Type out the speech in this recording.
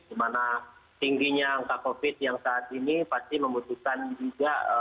dimana tingginya angka covid yang saat ini pasti membutuhkan juga